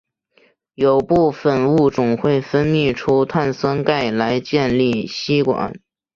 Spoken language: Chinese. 有部分物种会分泌出碳酸钙来建立栖管。